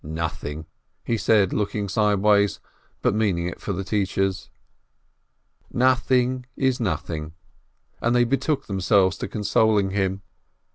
"Nothing," he said, looking sideways, but meaning it for the teachers. "Nothing is nothing!" and they betook themselves to consoling him.